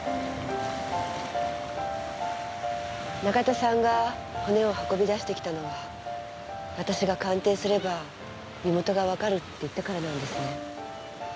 永田さんが骨を運び出してきたのは私が鑑定すれば身元がわかるって言ったからなんですね。